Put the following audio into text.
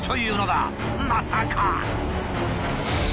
まさか！